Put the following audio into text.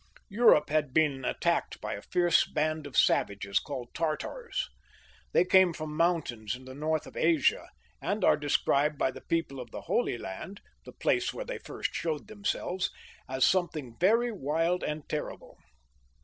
^ Europe had been attacked by a fierce band of savages, called Tartars ; they came from mountains in the north of Asia, and are described by the people of the Holy Land (the place where they first showed themselves) as some thing very wild and terrible.